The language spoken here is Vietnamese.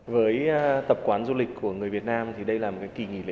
với tập quán du lịch của người việt nam thì đây là một kỳ nghỉ lễ